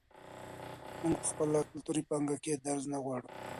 موږ په خپله کلتوري پانګه کې درز نه غواړو.